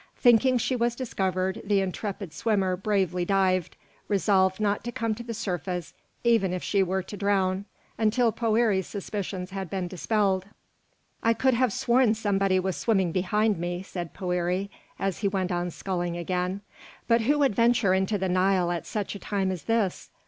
Thinking she was discovered, the intrepid swimmer bravely dived, resolved not to come to the surface, even were she to drown, until Poëri's suspicions had been dispelled. "I could have sworn somebody was swimming behind me," said Poëri, as he went on sculling again; "but who would venture into the Nile at such a time as this?